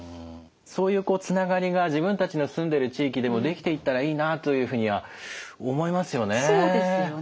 そういうつながりが自分たちの住んでる地域でも出来ていったらいいなというふうには思いますよね？